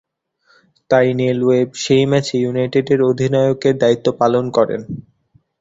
তাই Neil Webb সেই ম্যাচে ইউনাইটেডের অধিনায়কের দায়িত্ব পালন করেন।